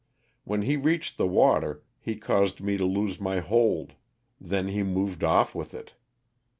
When he reached the water he caused me to loose my hold ; then he moved off with it.